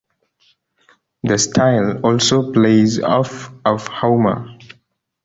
The style also plays off of Homer.